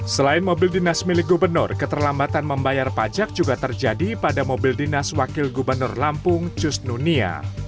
selain mobil dinas milik gubernur keterlambatan membayar pajak juga terjadi pada mobil dinas wakil gubernur lampung cusnunia